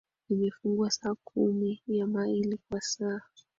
imefungwa saa kumi ya maili kwa saa